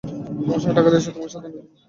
তোমার স্বামী টাকা দিয়েছে তোমাকে সাথে আনার জন্য।